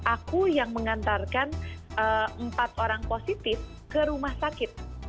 aku yang mengantarkan empat orang positif ke rumah sakit